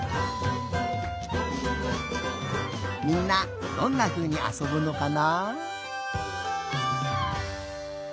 みんなどんなふうにあそぶのかな？